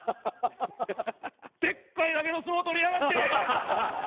でっかいだけの相撲取りやがって！